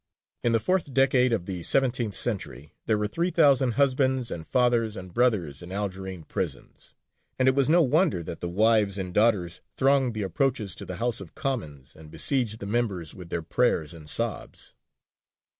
In the fourth decade of the seventeenth century there were three thousand husbands and fathers and brothers in Algerine prisons, and it was no wonder that the wives and daughters thronged the approaches to the House of Commons and besieged the members with their prayers and sobs.